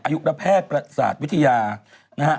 อายุระแพทย์ประสาทวิทยานะฮะ